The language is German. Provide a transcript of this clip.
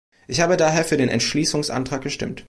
Ich habe daher für den Entschließungsantrag gestimmt.